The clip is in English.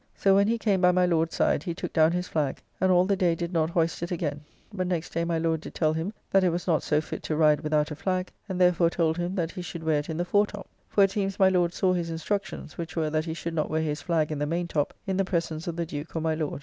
So when he came by my Lord's side, he took down his flag, and all the day did not hoist it again, but next day my Lord did tell him that it was not so fit to ride without a flag, and therefore told him that he should wear it in the fore top, for it seems my Lord saw his instructions, which were that he should not wear his flag in the maintop in the presence of the Duke or my Lord.